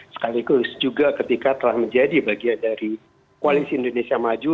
sekaligus juga ketika telah menjadi bagian dari koalisi indonesia maju